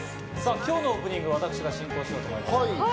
今日のオープニングは私が進行しようと思います。